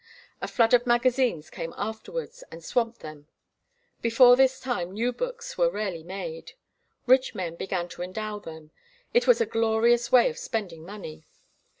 A flood of magazines came afterwards, and swamped them. Before this time new books were rarely made. Rich men began to endow them. It was a glorious way of spending money.